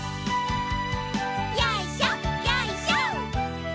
よいしょよいしょ。